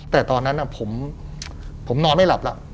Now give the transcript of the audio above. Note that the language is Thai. แต่ตอนนั้นผมนอนไม่หลับแล้ว